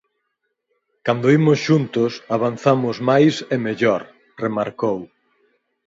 "Cando imos xuntos, avanzamos máis e mellor", remarcou.